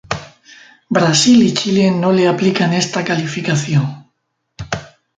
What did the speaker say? Brasil y Chile no le aplican esta calificación.